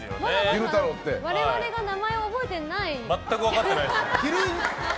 我々が名前を覚えてない。